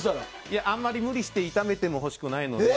あまり無理して痛めてほしくないので。